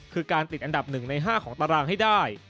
คือการติดอันดับ๑ใน๕ของตารางให้ได้